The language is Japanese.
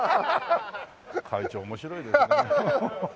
会長面白いですね。